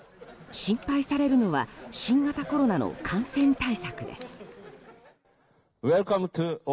心配されるのは新型コロナの感染対策です。